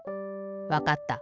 わかった。